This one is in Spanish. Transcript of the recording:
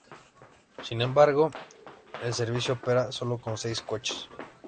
Sin embargo, el servicio opera solo con seis coches.